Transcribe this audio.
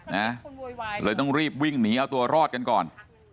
นะเลยต้องรีบวิ่งหนีเอาตัวรอดกันก่อน